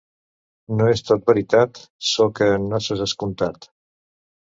No és tot veritat ço que en noces és contat.